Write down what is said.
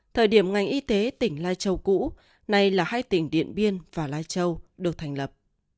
thời điểm ngành y tế tỉnh lai châu cũ nay là hai tỉnh điện biên và lai châu được thành lập